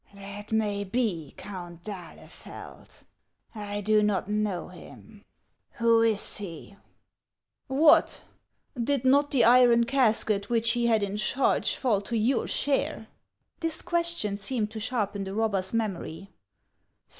"That may be, Count d'Ahlefeld; I do not know him. Who is he ?"" What ! did not the iron casket which he had in charge fall to your share ?" This question seemed to sharpen the robber's memory.